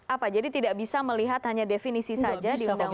apa jadi tidak bisa melihat hanya definisi saja di undang undang